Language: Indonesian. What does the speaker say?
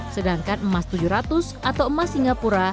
sedangkan emas tujuh ratus atau emas singapura